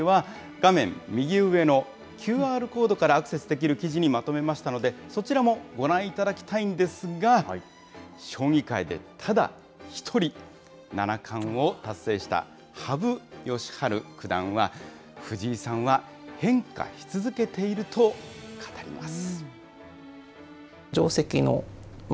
画面右上のＱＲコードからアクセスできる記事にまとめましたので、そちらもご覧いただきたいんですが、将棋界でただ一人、七冠を達成した羽生善治九段は、藤井さんは変化し続けていると語ります。